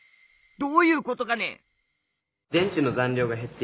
どういうことかね？